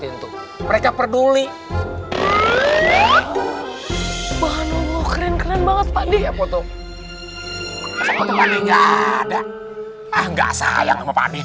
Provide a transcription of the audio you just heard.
itu mereka peduli bahan allah keren keren banget tadi foto foto adanya ada ah nggak sayang apa nih